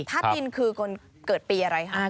ธาตุดินคือคนเกิดปีอะไรคะ